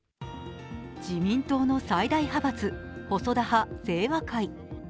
自民党の最大派閥細田派清和会。